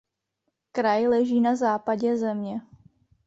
Kraj leží na západě země.